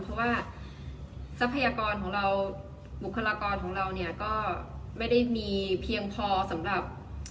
เพราะว่าทรัพยากรของเราบุคลากรของเราเนี่ยก็ไม่ได้มีเพียงพอสำหรับ